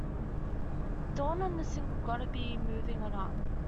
Dawn on the single "Gotta Be Movin' On Up".